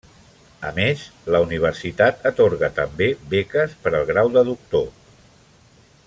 A més, la universitat atorga també beques per al grau de doctor.